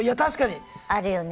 あるよね。